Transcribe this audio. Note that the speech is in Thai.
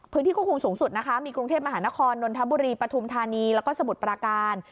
พื้นที่ควบคุมสูงสุดนะคะมีกรุงเทพมหานครนนทบุรีปฐุมธานีแล้วก็สมุทรปราการ